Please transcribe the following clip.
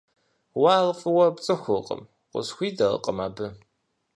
— Уэ ар фӀыуэ пцӀыхуркъым, — къысхуидэркъым абы.